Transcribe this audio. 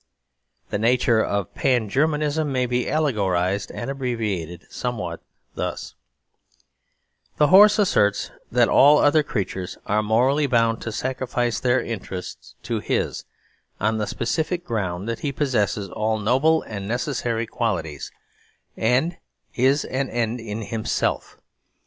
The nature of Pan Germanism may be allegorised and abbreviated somewhat thus: The horse asserts that all other creatures are morally bound to sacrifice their interests to his, on the specific ground that he possesses all noble and necessary qualities, and is an end in himself.